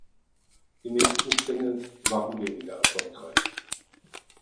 Die nächsten Singles waren weniger erfolgreich.